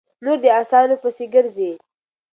نور دې اسانو پسې ګرځي؛